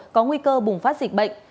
có nguy cơ bùng phát dịch bệnh